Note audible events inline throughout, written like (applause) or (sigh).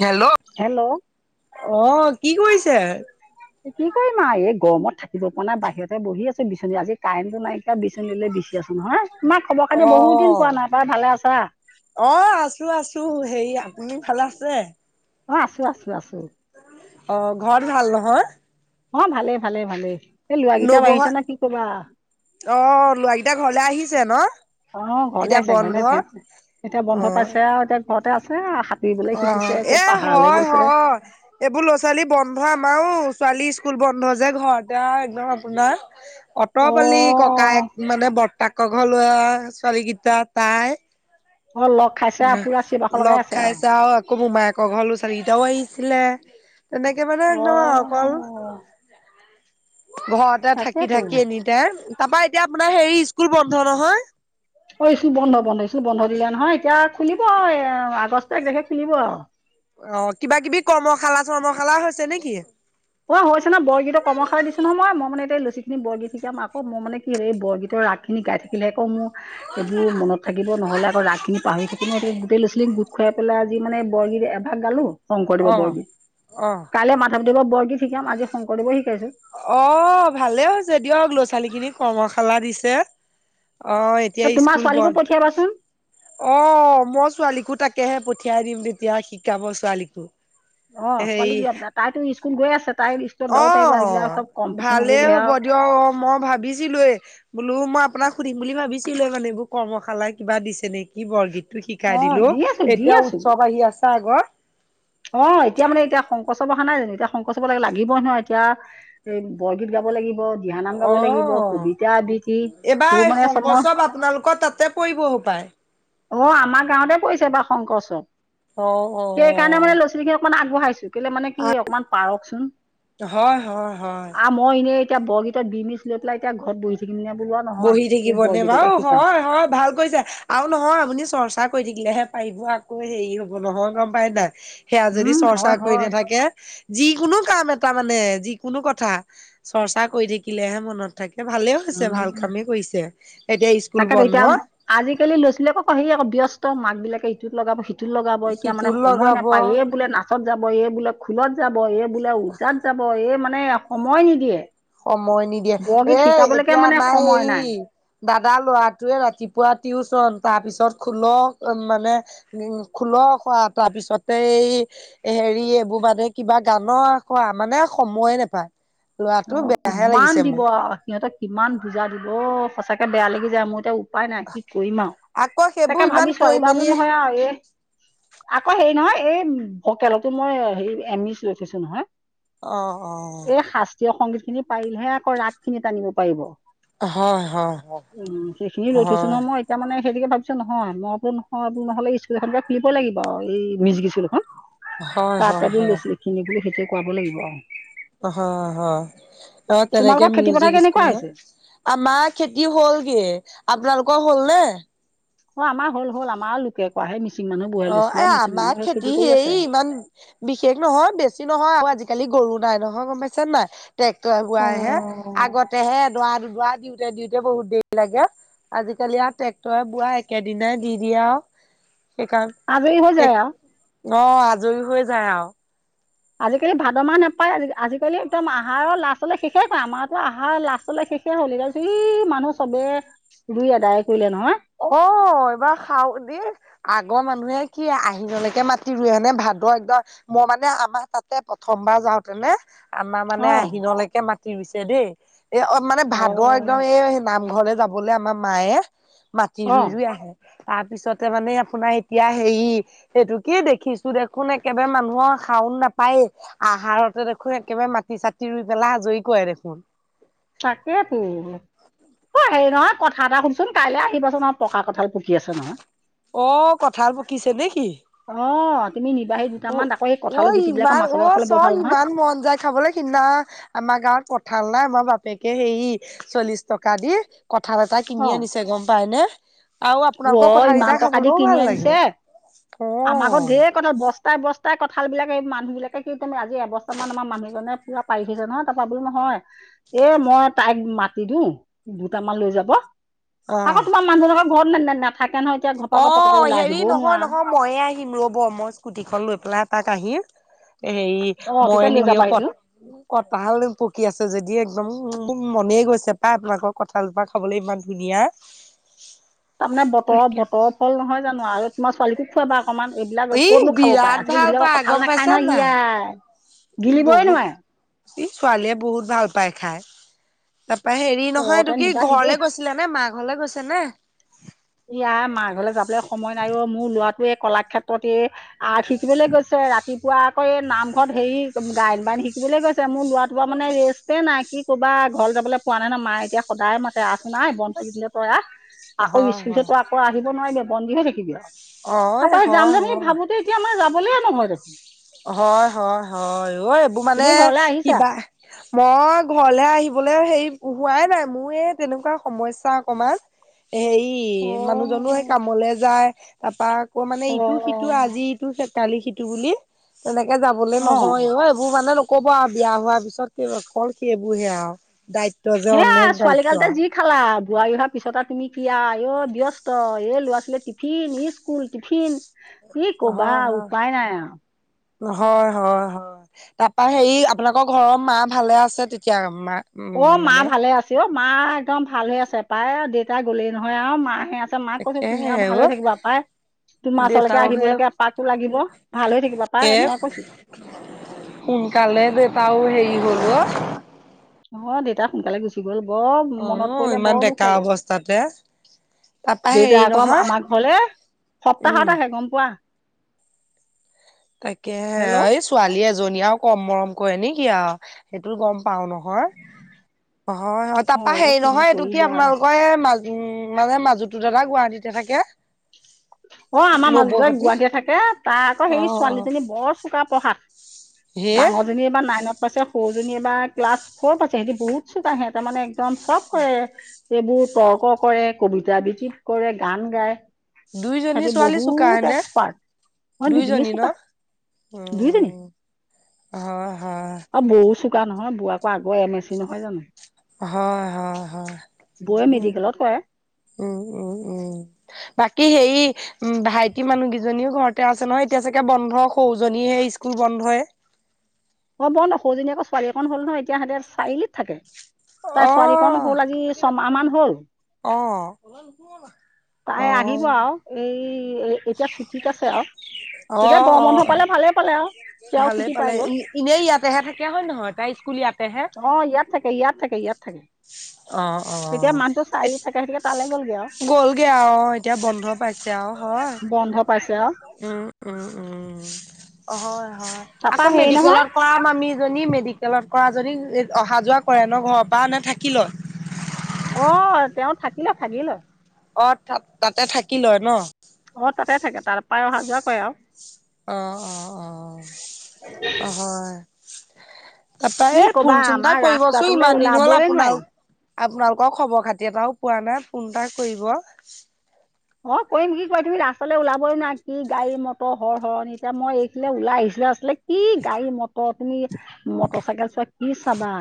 Hello hello অঁ কি কৰিছে? কি কৰিম আ এই গৰমত থাকিব পৰা নাই বাহিৰতে বহি আছো বিচনী আজি কাৰেণ্টটো নাইকিয়া বিচনীলৈ বিচি বিচি আছো নহয়, তোমাৰ খবৰ খাতি বহুত দিন পোৱা নাই পাই, বাৰু ভালে আছা? অঁ আছো আছো হেৰি আপুনি ভালে আছে? অঁ আছো আছো আছো। অ' ঘৰত ভাল নহয়? অঁ ভালেই ভালেই ভালেই এ লৰা কেইটাও বাঢ়িছে নহয় কি কবা। অঁ লৰাকেইটা ঘৰলে আহিছে ন। অঁ ঘৰলে এতিয়া আহিছে, বন্ধ ঘৰলে আহিছে, সিহঁত এতিয়া বন্ধ পাইছে আও এতিয়া ঘৰতে আছে আও অ'অ' এ হয় হয়। এইবোৰ ল'ৰা ছোৱালী বন্ধ আমাৰো ছোৱালী স্কুল বন্ধ যে ঘৰতে আও একদম আপোনাৰ। অ অতপালি ককায়েক মানে বৰতাকৰ ঘৰৰ লৰা ছোৱালী কেইটা তাই। অ' লগ খাইছে আৰু পুৰা চিৰবাখৰ লগাই লগ আছে আৰু খাইছে আও আকৌ মোমায়েকৰ ঘৰলো চাৰিটাও আহিছিলে তেনেকে মানে অ একদম আৰু অকল ঘৰতে থাকি তাকেতো থাকি এনিট তে তাৰাপা এতিয়া আপোনাৰ হেৰি স্কুল বন্ধ নহয়? অঁ স্কুল বন্ধ বন্ধ স্কুল বন্ধ দিলে নহয় এতিয়া খুলিব আও এ আগষ্ট এক তাৰখে খুলিব আও অ কিবা- কিবি কৰ্মশালা - চৰ্মশালা হৈছে নেকি? অ হৈছে নহয় বৰগীতৰ কৰ্মশালাত দিছো অ' অ হৈছে নহয় মই মই মানে এতিয়া এই ল'ৰা-ছোৱালীখিনিক বৰগীত শিকাম আকৌ মই মানে কি এই বৰগীত ৰা খিনি গাই থাকিলে ক' মো এইবোৰ মনত থাকিব নহ'লে আকৌ ৰাগ খিনি পাহৰি থাকিম নহয় গোটেই লৰা- ছোৱালীক গোট খুৱাই পেলাই আজি মানে বৰগীত এ এভাগ গালো, শংকৰদেৱৰ অ' অ' বৰগীত। কাইলে মাধৱদেৱৰ বৰগীত শিকাম আজি শংকৰদেৱৰ শিকাইছো। অ ভালেই হৈছে দিয়ক ল'ৰা-ছোৱালী খিনিক কৰ্মশালা দিছে অ' এ এতিয়া তোমাৰ স্কুল ছোৱালীকো বন্ধ। পঠিয়াবাচোন অ মই ছোৱালীকো তাকেহে পঠিয়াই দিম তেতিয়া শিকাব ছোৱালীকো। অ হেৰি ছোৱালীক দিয়া, তাইতো স্কুল গৈ আছে তাই স্কুল অ ভালেই হ'ব আৰু দিয়ক অ, মই ভাবিছিলোএ বোলো মই আপোনাক সুধিম বুলি ভাবিছিলোে মানে এইবোৰ কৰ্মশালা কিবা দিছে নেকি, বাকি বৰগীতটো শিকাই অ দিলো, দি আছো দি এতিয়া আছো উৎসৱ আহি আছে আগত, অ এতিয়া মানে এতিয়া শংকৰ উৎসৱ অহা নাই জানো এতিয়া শংকৰ উৎসৱত লাগ লাগিবই নহয় এতিয়া, এই বৰগীত গাব লাগিব। দিহানাম গাব লাগিব অ', কবিতা আবৃত্তি, এইবাৰ সেইবোৰ মানে শংকৰ চব মই উৎসৱ আপোনালোকৰ তাতে পৰিব হপায় অ', আমাৰ গাঁৱতে পৰিছে এইবাৰ শংকৰ উৎসৱ। অ', অ', অ', কমান আগবঢ়াইছো কেলে মানে কি অকমান পাৰকচোন, হয়, হয়, হয়। আ মই এনে এতিয়া বৰগীতত বি মিচ লৈ পেলাই এতিয়া ঘৰত বহি, (unintelligible) বহি এই থাকিব নে বৰগীতকে বাৰু শিকাও হয়, হয়, ভাল, কৈছে আৰু নহয় আপুনি চৰ্চা কৰি থাকিলেহে পাৰিব আকৌ হেৰি হব নহয় গম পাই নাই, সেয়া যদি উম চৰ্চা হয় কৰি হয় নাথাকে, যিকোনো কাম এটা মানে যিকোনো কথা চৰ্চা কৰি থাকিলেহে মনত, থাকে ভালেই হৈছে ভাল উম কামেই কৰিছে। এতিয়া স্কুল তাকেতো বন্ধ এতিয়া আজিকালি ল'ৰা -ছোৱালী আকৌ হেৰি আকৌ ব্যস্ত মাক বিলাকে ইটোত লগাব সিটো, টোত লগাব এতিয়া সিটো মানে সময় লগাব নাপায় এই বোলে নাচত যাব এই বোলে খোলত, যাব এই বোলে ওজাত যাব এই মানে সময় নিদিয়ে। সময় নিদিয়ে বৰগীত এ শিকাবলৈকে এতিয়া মানে নাই সময় হেৰি, দাদা ল'ৰাটোৱে ৰাতিপুৱা টিউচন তাৰ পিছত খোল উ মানে, উম, খোল কৰা তাৰপিছতে এই, হেৰি এইবোৰ মানে কিবা গানৰ আখৰা মানে সময়ে নেপায় ল'ৰা, অ', কিমান দিব আউ সিহঁতক কিমান বুজা দিব অ', সঁচাকে বেয়া লাগি যায় মোৰ এতিয়া উ উপায় নাই কি কৰিম আৰু আকৌ সেইবোৰ তাকে ইমান ভাবিছো কৰি এইবাৰ বোলো মেলিয়ে নহয় আৰু এ, আকৌ হেৰি নহয় এই ভকেলতো মই হেৰি এম ইচ লৈ থৈছো নহয়। অ', অ'। জাতীয় সংগীত খিনি পাৰিলেহে আকৌ ৰাগ খিনি টানিব পাৰিব। উম, অ হয় হয় সেইখিনি লৈ থৈছো হয় নহয় মই। এতিয়া মানে সেইটোকে ভাবিছো নহয় মই বোলো নহয় বোলো নহ'লে স্কুল এখনকে খুলিব লাগিব এই মিউজিক স্কুল এখন। হয় তাত হয় বি বেছি হয় এইখিনি বুলি সেইটোয়ে কুৱাব লাগিব আৰু। অ', হয়, হয়, তেনেকে তোমালোকৰ খেতি পথাৰ মিউজিক কেনেকুৱা স্কুল এখন, হৈছে আমাৰ খেতি হ'লগে, আপোনালোকৰ হ'ল নে? অ', আমাৰ হ'ল হ'ল আমাৰ লোকে কৰা হে মিচিং মানুহ বহাই লৈছো আৰু মিচিং মানুহে খেতি কৰি আছে। মান বিশেষ নহয় বেছি নহয় আৰু আজিকালি গৰু নাই নহয় গম পাইছে নাই। ট্ৰেক্টৰে অ বোৱাই হে আগতেহে এ দৰা দুডৰা দি, দিওঁতে দিওঁতে বহুত দেৰি লাগে আজিকালি আৰু ট্ৰেক্টৰে বোৱা একেদিনাই দি দিয়া আৰু। সেইকাৰণ, আজৰী হৈ এক যায় আৰু। অ', আজৰি হৈ যায় আউ। আজিকালি ভাদ মাহ নোপায় আজিকালি একদম আহাৰৰ লাষ্টলে শেষেই কৰে আমাৰতো আহাৰৰ লাষ্ট, বোলোঁ শেষে হ'ল এইগাল ই মানুহ চবে, ৰুই আদায় কৰিলে নহয়। অ', এইবাৰ শাওন দি আগৰ মানুহে কি আহিনৰলৈকে মাটি ৰুৱে নে ভাদ একদ মই মানে আমাৰ তাতে প্ৰথমবাৰ যাওঁতে নে। আমাৰ অ মানে আহিনলৈকে মাটি ৰুইছে দেই। এই অ', মানে ভাদৰ একদম অ এই নামঘৰলে যাবলে আমাৰ মায়ে। অ ৰুই-ৰুই আহে, তাৰপিছতে মানে আপোনাৰ এতিয়া হেৰি। সেইটো কি দেখিছোঁ, দেখোন একেবাৰে মানুহৰ শাওন নাপায়েই। আহাৰতে দেখোন একেবাৰে মাটি-চাটি ৰুই পেলাই আাজৰি কৰে দেখোন। তাকে টো। অ', হেৰি নহয় কথা এটা শুনচোন কাইলৈ আহিবাচোন পকা কঁঠাল পকি আছে নহয়। অ', কঁঠাল পকিছে নে কি? অ',। তুমি নিবাহি অ', দুটামান আকৌ এই কঁঠালৰ -অ', গুটিবিলাকৰ ইমান মাছৰ লগত অ', খালে বৰ চোক ভাল নহয় ইমান মন যায় খাবলৈ। কিনা, আমাৰ গাঁৱত কঠাল নাই আমাৰ বাপেকে হেৰি চল্লিশ টকা দি কঁঠাল এ এটা কিনি অ আনিছে গম পাই নে। আৰু আপোনালোকৰ অ কঁঠাল ইমান কেইটা টকা দি খাবলৈও কিনি ভাল লাগে, অওওওও। সেইটো কঁঠাল বস বস্তাই-বস্তাই কঁঠালবিলাক এই মানুহ বিলাকে কি তুমি আজি এবস্তা মান আমাৰ মানুহজনে পুৰা পাৰি থৈছে নহয় তাৰাপৰা বুলি নহয়। এ', মই তাইক মাতি দিওঁ, দুটামান লৈ যাব? অ আকৌ তোমাৰ মানুহজনক ঘৰত নে-নে-নাথাকে নহয় এতিয়া ঘৰৰ পৰা আকৌ পতককে ওলাই আহিবও নোৱাৰা? মইয়ে আহিম ৰব, মই স্কুটি খন লৈ পেলাই তাত আহিম, এ', হেৰি। অ তেতিয়া লৈ মৰিয়নি মিও যাবাহিচোন ক'ত? কঁঠাল পকি আছে যদি একদম উম'-উম', মোৰ মনেই গৈছে পায় আপোনালোকৰ কঁঠালজোপাক খাবলৈ ইমান ধুনীয়া। তাৰমানে বতৰৰ-বতৰৰ ফল নহয় জানোঁ আৰু। তোমাৰ ছোৱালীকো খোৱাবা অকণমান এইবিলাক ই ক'ত নো খাব পাৰে বিৰাট আজিকালি ভাল এইবিলাকক পাই গম কঁঠাল না খাই পাইছা নহয় নাই ইয়াই। গিলিবই বহুত নোৱাৰে। ই ছোৱালীয়ে বহুত ভাল পায় খাই, তাৰাপৰা হেৰি নহয় তহঁতে এইটো কি নিবাহি দেই ঘৰলৈ গৈছ আছিলে নে মা ঘৰলৈ গৈছে নে? ইয়া মা ঘৰলৈ যাবলৈ সময় নাই ও মোৰ লৰাটোৱে কলাক্ষেত্ৰত এই। আৰ্ট শিকিবলৈ গৈছে ৰাতিপুৱা আকৌ এই নামঘৰত হেৰি গায়ন-বায়ন শিকিবলৈ গৈছে মোৰ। ৰাতিপুৱা মানে ৰেস তে নাই কি ক'বা ঘৰলে যাবলৈ পোৱা নাই না মায় এতিয়া সদায় মাতে আছোন-আহ বন্ধ থাকি দিলে পৰা আহ। আকৌ হয় স্কুল হয়। চতো আকৌ আহিব নোৱাৰিবি বন্দী হৈ থাকিবি আৰু অ তাৰপৰা যাম হয় যামেই হয় ভাবোতে। তেতিয়া আমাৰ যাবলেই নহয় দেখোন। অ', -হয়-হয়-হয়, ওই এইবোৰ মানে তুমি ঘৰলৈ আহিছা কিবা। মই ঘৰলে আহিবলৈ হেৰি হোৱাই নাই মোৰ এই তেনেকুৱা সমস্যা অকমান। এ অ', হেৰি মানুহজনো সেই কামলে যায়। তাৰপা আকৌ মানে ইটো-সিটো অ', আজি ইটো কালি সিটো বুলি। তেনেকে যাবলে নহয় অ', এইবোৰ মানে ল ক'ব আৰু বিয়া হোৱাৰ পিছত অকল সেইবোৰ হে আৰু দায়িত্ব যে অনেক দায়িত্ব আৰু। কি খালা, বোৱাৰী হোৱাৰ পিছত আৰু তুমি কিয় আই ও ব্যস্ত এ ল'ৰা-ছোৱালীয়ে টিফিন ই স্কুল টিফিন। কি ক'বা অহ', -হা',। উপায় নাই আৰু হয়-হয়-হয়, তাৰপা হেৰি আপোনালোকৰ ঘৰৰ মা ভালে আছে তেতিয়া মা অ উম মা মানে ভালে আছ অ মা একদম ভাল হৈ আছে পায় দেউতা গলেই নহয় আৰু মাহে আছে। মাক কৈছোন তুমি তাকেহে আৰু ভাল হৈ অ থাকিবা পাই। তোমাৰ ওচৰলৈকে দেউতাও সে আহিবলৈকে এপাকো লাগিব ভাল হৈ থাকিবা পাই শেষ এনে কৈছো। সোনকালে দেউতাও হেৰি হ'ল অ। অ দেতা সোনকালে গুচি গ'ল বৰ অ মনত পৰিলে ইমান বৰ ডেকা দুখ লাগে। অৱস্থাতে। তাপা হেৰি দেউতাই আকৌ নহয় আমাৰ ঘৰলে উম। সপ্তাহত আহে গম পোৱা। তাকে হে য়া হেল্ল' আইচ। ছোৱালী এজনী আৰু কম মৰম কৰে নেকি আৰু সেইটো গম পাওঁ নহয়। হয় হয় তাৰাপা অ, হেৰি কিনো নহয় এইটো কি কৰিবা আপোনালোকৰ এ মাজ। উম মানে মাজুতো দাদা গুৱাহাটীতে থাকে। অ আমাৰ নবৌ মাজতো সতি গুৱাহাটীয়ে থাকে তাৰ আকৌ অ সেই অ ছোৱালীজনী বৰ চোকা পঢ়াত। হে ডাঙৰ। জনী এবা নাইনত পাইছে সৰুজনী এবা ক্লাছ ফোৰ পাইছে সিহঁতি বহুত চুকা সিহঁতে মানে। একদম চব কৰে সেবোৰ তৰ্ক কৰে, কবিতা বৃত্তি কৰে, গান গায়। দুইজনী সিহতি ছোৱালী চোকা বহুত হেনে। এক্সপাৰ্ট মই দুজনীয়ে দুইজনী ন চুকা দুইজনী। উম হয় হয়। অ বহু চুক। বা নহয় বুৱাকো আগৌ এম এচি নহয় জানো। হয় হয় হয় বৌয়ে উ মেডিকেলত কৰে উম উম উম। বাকি সেই। উম ভাইটি মানুহ কেইজনীও ঘৰতে আছে নহয় এতিয়া চাগে বন্ধ সৰুজনীহে স্কুল বন্ধই। অ বন্ধ সৰুজনি আকৌ ছোৱালী অকন হ'ল নহয় এতিয়া সিঁহতে চাৰিআলিত থাকে। তাৰ অ ছোৱালীকন হ'ল আজি ছমাহ মান হ'ল। অ তাই আহিব আৰু অ এই। এতিয়া ছুটিত আছে আৰু অ তেতিয়া অ গৰম বন্ধ অ পালে ভালেই পালে আৰু সি আও ভালে ছুটি পালে পাই গ'ল। এনেই ইয়াতেহে থাকে হয় নহয় তাই স্কুল ইয়াতেহে। অ ইয়াত থাকে ইয়াত থাকে ইয়াত থাকে। অ অ এতিয়া মানুহটো এত চাৰিআলিত থাকে গতিকে তালৈ গ'লগৈ আৰু গ'লগে আও। এতিয়া বন্ধ পাইছে আৰু হয়। বন্ধ পাইছে আও। উম উম উম হয় হয় তাৰপৰা আকৌ হেৰি নহয় মেডিকেলত। কৰা মামিজনী মেডিকেলত কৰা জনি অহা যোৱা কৰে ন ঘৰৰ পৰা নে থাকি লয়। অ তেওঁ থাকিলে থাকিলে। অ তাতে থাকি লয় ন। অ তাতে থাকে তাৰ পায় অহা যোৱা কৰে আৰু। অ অ অ হয়। তাৰ পা কি এই ফোন ক'বা চোন এটা আমাৰ কৰিবচোন ৰাস্তাটোলৈ ইমান দিন হ'ল ওলাবই নোৱাৰি আপোনালোক। আপোনালোকৰ খবৰ খাতি এটাও পোৱা নাই ফোন এটা কৰিব। অ কৰিম কি কয় তুমি ৰাস্তা লে আচলতে ওলাবই নোৱাৰা কি গাড়ী মটৰ সৰ সৰনি এতিয়া মই এইখিনে ওলাই আহিছিলো আচলতে। কি গাড়ী মটৰ তুমি মটৰ চাইকেল চোৱা কি চাবা।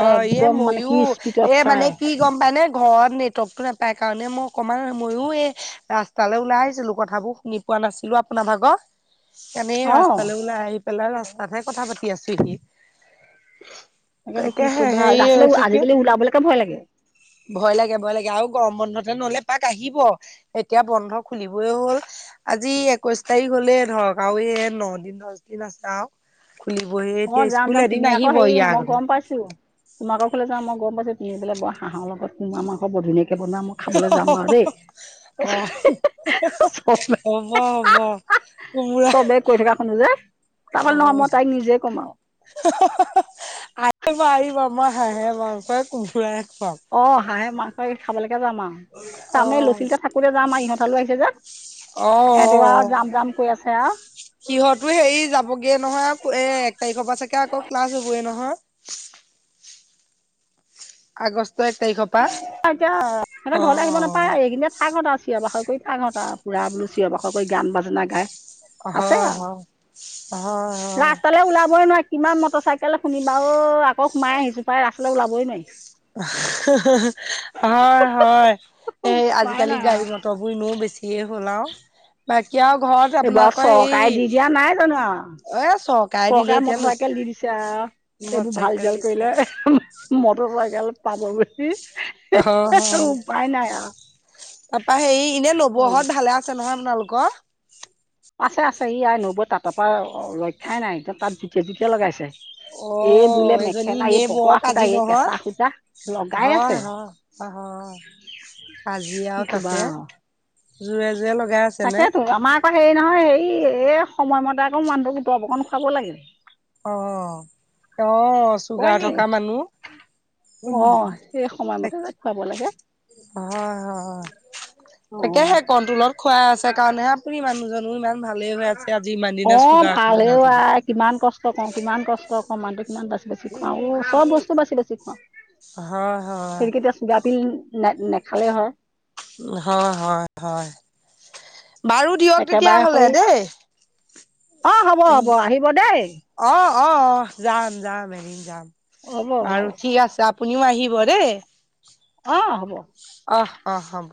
অ এ একদম মানে কি ময়ো স্পীডত এ মানে চাই কি। গম পায় নে ঘৰত নেটৱৰ্কটো নাপায় কাৰণে মই অকণমান ময়ো এই। ৰাস্তালৈ ওলাই আহিছিলো কথাবোৰ শুনি পোৱা নাছিলো আপোনাৰ ভাগত। এনেই অ ৰাস্তালৈ ওলাই আহি পেলাই ৰাস্তাতহে কথা পাতি আছো এনেই। তাকেতো কি কবা ৰাস্তা লৈ হেৰি কি আজিকালি ওলাবলৈকে ভয় লাগে। ভয় লাগে ভয় লাগে আৰু গৰম বন্ধতে নহলে এপাক আহিব এতিয়া বন্ধ খুলিবই হ'ল আজি একৈশ তাৰিখ হলে ধৰক আৰু এই ন দিন দচ দিন আছে আও খুলিহে এতিয়া স্কুল এদিন আহিব ইয়াৰ আগতে তোমালোকৰ ঘৰলে যাও মই গম পাইছো তুমি বোলে বৰ হাঁহৰ লগত কুমুৰা মাংস বৰ ধুনীয়াকে বনোৱা মই খাবলৈ যাম বাৰু দেই অ হ'ব হ'ব কোমোৰা চবে কৈ থকা শুনো যে তাৰপাল নহয় মই তাইক নিজে কমা আও আহিবা আহিবা মই হাঁহে মাংস কোমোৰাই খুৱাম অ হাঁহে মাংস খাবলৈকে যাম আৰু অ তাৰমানে লচীতে থাকোতে যাম আৰু ইহঁত হালো আহিছে যে অ ইহঁতি আও অ যাম যাম কৈ আছে আও সিহঁতো হেৰি যাবগে নহয় এ এক তাৰিখৰ পৰা চাগে আকৌ ক্লাছ হবয়ে নহয় আগষ্টৰ এক তাৰিখৰ পৰা এতিয়া সিহতে অ ঘৰলৈ আহিব নাপায় এই কেইদিনত থাকহত আও চিয় বাখৰ কৰি থাকহঁত পুৰা বোলো চিয় বাখৰ কৰি গান বাজনা গাই অ আছে হয় আও হয় হয় ৰাস্তালে ওলাবই নোৱাৰি কিমান মটৰ চাইকেল শুনিম আও অই আকৌ সোমাই আহিছোঁ পায় ৰাস্তালৈ ওলাবই নোৱাৰি। হয় হয় এই উপায় আজিকালি নাই আৰু গাড়ী মটৰ বোৰ এনেও বেছিয়ে হ'ল আও বাকী আও ঘৰত এইবোৰ আৰু আপোনালোকৰ হে চৰকাৰে দি দিয়া নাই জানো আৰু এ চৰকাৰে দিলে এতিয়া (inaudible) মটৰ এইবোৰ ভাল চাইকেল জাল দিছে কৰিলে আৰু মটৰ চাইকেল পাব বুলি অ উপায় নাই আৰু তাৰাপা হেৰি এনেই অ' নবৌহত ভালে আছে নহয় আপোনালোকৰ আছে আছে ই আ নবৈ তাতৰ পৰা ৰক্ষাই নাই এয়া তাত জুতিয়ে জুতিয়াই লগাইছে। অ এই বোলে এজনী মেখেলা এই এনেই বৰ পকোৱা সূতা কাজি এই নহয় কেঁচা সূতা লগাই আছে আহ আজি আও কি ক'বা তাতে আৰু জোৰে জোৰে লগাই আছে নে, তাকেতো আমাৰ আকৌ হেৰি নহয় হেৰি এই সময়মতে আকৌ মানুহটোক দৰৱঅকণ খুৱাব লাগে। অঁ, অঁ, চুগাৰ এই থকা মানুহ, অঁ, সেই হয়, সময়মতে যে খুৱাব লাগে হয়! অঁ তাকেহে কণ্ট্ৰলত খুৱাই আছে কাৰণে হে, তথাপিও মানুহ জন ইমান ভালে হৈ আছে আজি ইমান দিনা অঁ চুগা ভাল হে (unintelligible) আই কিমান কষ্ট কওঁ কিমান কষ্ট কওঁ মানুহ কিমান বাচি বােছি খুৱাও চব বস্তু বাচি বাছি খুৱাওঁ হয় হয় (inaudible) নে নেখালে হয় উ হয় হয় হয় বাৰু দিয়ক তেতিয়া একেবাৰে হ'লে হৈ দেই অঁ হ'ব উ হ'ব আহিব দেই অ অ অ যাম যাম এদিন যাম হ'ব হ'ব বাৰু ঠিক আছে আপুনিও আহিব দেই! অঁ, হব আহ অঁ হ'ব!